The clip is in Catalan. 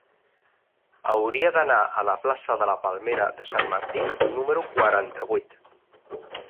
Hauria d'anar a la plaça de la Palmera de Sant Martí número quaranta-vuit.